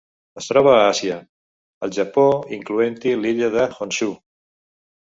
Es troba a Àsia: el Japó, incloent-hi l'illa de Honshu.